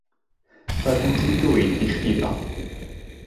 Byddent yn dwyn eich eiddo.